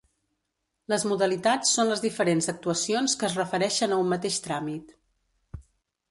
Les modalitats són les diferents actuacions que es refereixen a un mateix tràmit.